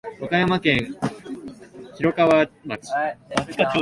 和歌山県広川町